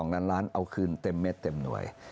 ล้านล้านเอาคืนเต็มเม็ดเต็มหน่วย